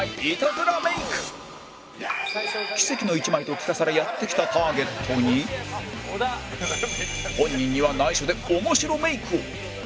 「奇跡の１枚」と聞かされやって来たターゲットに本人には内緒で面白メイクを